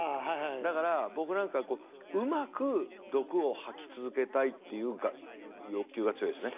だから僕なんかうまく毒を吐き続けたいっていう欲求が強いですね。